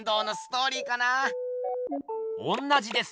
おんなじです。